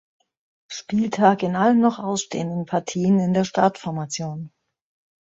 Spieltag in allen noch ausstehenden Partien in der Startformation.